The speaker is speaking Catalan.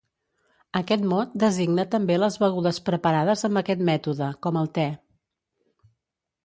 Aquest mot designa també les begudes preparades amb aquest mètode, com el te.